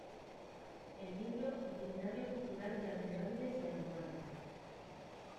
El libro "Itinerario Cultural de Almorávides y Almohades.